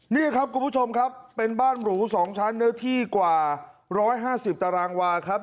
นี่ครับคุณผู้ชมครับเป็นบ้านหรู๒ชั้นเนื้อที่กว่า๑๕๐ตารางวาครับ